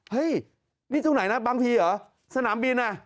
เฮ้ยนี่ตรงไหนนะบางทีเหรอสนามบินอ่ะ